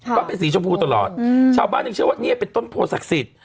เพราะเป็นสีชมพูตลอดชาวบ้านยังเชื่อว่าเนี่ยเป็นต้นโพศักดิ์สิทธิ์